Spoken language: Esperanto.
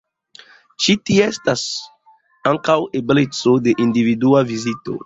Ĉi tie estas ankaŭ ebleco de individua vizito.